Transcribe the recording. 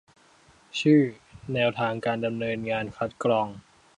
ชื่อ แนวทางการดำเนินงานคัดกรอง